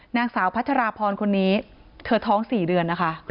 นางสาวพัชราพรคนนี้เธอท้อง๔เดือนนะคะ